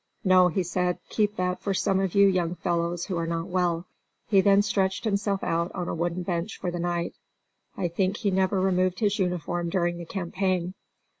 "No," he said, "keep that for some of you young fellows who are not well." He then stretched himself out on a wooden bench for the night. I think he never removed his uniform during the campaign.